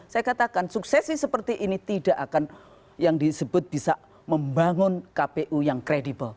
saya katakan suksesi seperti ini tidak akan yang disebut bisa membangun kpu yang kredibel